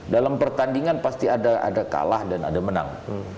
dalam pertandingan pasti ada kalah dan ada menang